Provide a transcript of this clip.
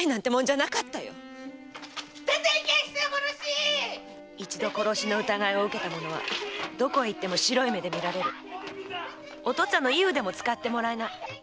〕一度殺しの疑いを受けた者はどこへ行っても白い目で見られお父っつぁんのいい腕も使ってもらえない。